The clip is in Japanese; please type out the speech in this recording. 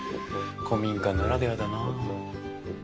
古民家ならではだなあ。